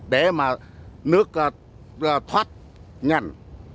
để mà nước thoát nhanh